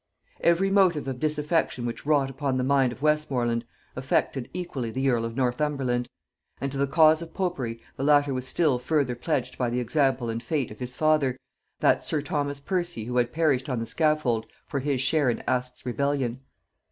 Every motive of disaffection which wrought upon the mind of Westmorland, affected equally the earl of Northumberland; and to the cause of popery the latter was still further pledged by the example and fate of his father, that sir Thomas Percy who had perished on the scaffold for his share in Aske's rebellion.